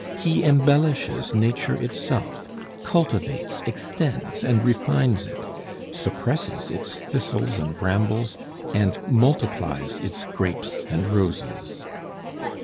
He embellishes Nature itself; cultivates, extends, and refines it; suppresses its thistles and brambles, and multiplies its grapes and roses.